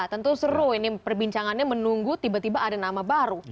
tentu seru ini perbincangannya menunggu tiba tiba ada nama baru